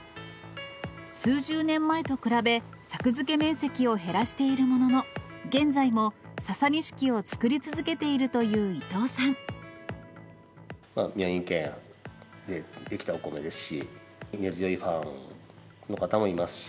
数十年前と比べ、作付面積を減らしているものの、現在もササニシキを作り続けてい宮城県で出来たお米ですし、根強いファンの方もいますし。